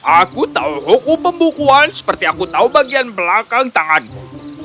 aku tahu hukum pembukuan seperti aku tahu bagian belakang tanganmu